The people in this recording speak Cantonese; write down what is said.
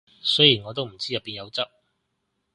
雖然我都唔知入面有汁